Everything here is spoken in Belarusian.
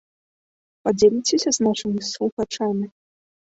Падзеліцеся з нашымі слухачамі?